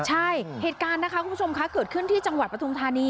ใช่เหตุการณ์นะคะคุณผู้ชมคะเกิดขึ้นที่จังหวัดปทุมธานี